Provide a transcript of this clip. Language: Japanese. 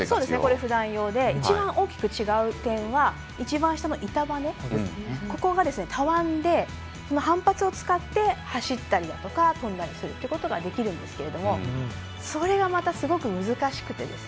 ふだん用で一番大きく違う点は一番下の板バネがここがたわんで反発を使って、走ったりとか跳んだりするということができるんですがそれがすごく難しくて。